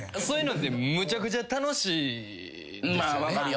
そういうのってむちゃくちゃ楽しいですよね。